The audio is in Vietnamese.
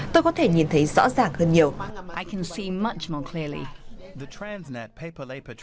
tôi có thể nhìn thấy rõ ràng hơn nhiều